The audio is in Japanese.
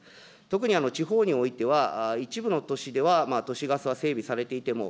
特に地方においては、一部の都市では都市ガスは整備されていても、